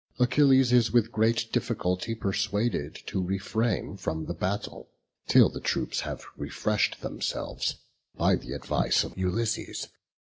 Achilles is with great difficulty persuaded to refrain from the battle till the troops have refreshed themselves, by the advice of Ulysses.